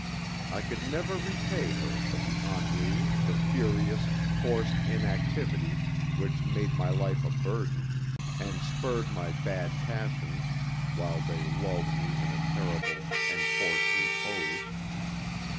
I could never repay her for the ennui, the furious, forced inactivity which made my life a burden, and spurred my bad passions while they lulled me in a terrible, enforced repose.